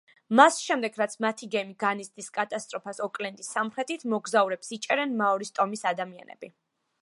მას შემდეგ, რაც მათი გემი განიცდის კატასტროფას ოკლენდის სამხრეთით, მოგზაურებს იჭერენ მაორის ტომის ადამიანები.